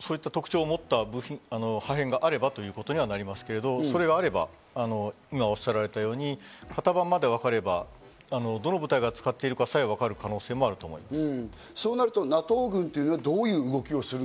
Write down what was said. そう言った特徴を持った破片があればということにはなりますけれど、それがあれば今おっしゃられたように型番までわかればどの部隊が使っているかさえわかる可能性もあると思います。